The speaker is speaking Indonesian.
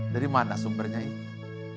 dari mana sumbernya itu